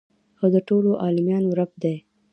او د ټولو عالميانو رب دى.